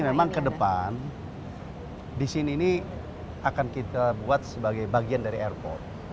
jadi memang ke depan di sini ini akan kita buat sebagai bagian dari airport